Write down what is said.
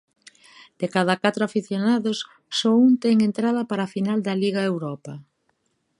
De cada catro afeccionados só un ten entrada para a final da Liga Europa.